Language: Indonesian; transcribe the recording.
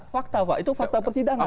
fakta pak itu fakta persidangan